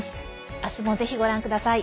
明日も、ぜひご覧ください。